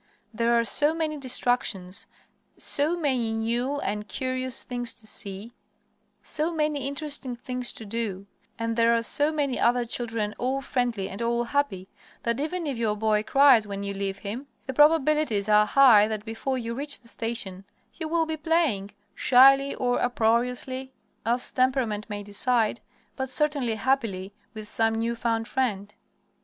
There are so many distractions, so many new and curious things to see, so many interesting things to do, and there are so many other children all friendly and all happy, that even if your boy cries when you leave him, the probabilities are high that before you reach the station he will be playing shyly or uproariously, as temperament may decide but certainly happily, with some new found friend.